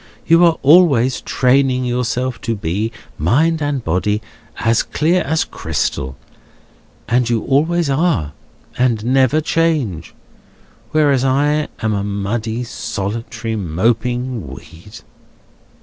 You are always training yourself to be, mind and body, as clear as crystal, and you always are, and never change; whereas I am a muddy, solitary, moping weed.